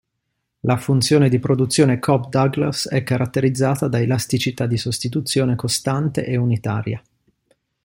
La funzione di produzione Cobb-Douglas è caratterizzata da elasticità di sostituzione costante e unitaria.